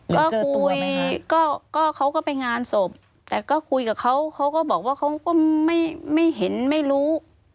ก็คุยก็เขาก็ไปงานศพแต่ก็คุยกับเขาเขาก็บอกว่าเขาก็ไม่เห็นไม่รู้